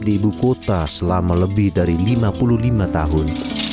di ibu kota selama lebih dari lima puluh lima tahun